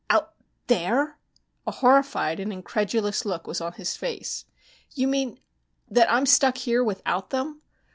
"Out there?" A horrified and incredulous look was on his face. "You mean that I'm stuck here without them?